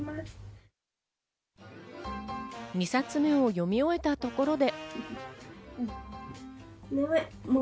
２冊目を読み終えたところで。